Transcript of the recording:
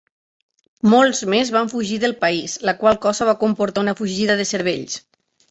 Molts més van fugir del país, la qual cosa va comportar una fugida de cervells.